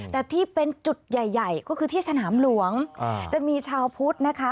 แต่ที่เป็นจุดใหญ่ใหญ่ก็คือที่สนามหลวงจะมีชาวพุทธนะคะ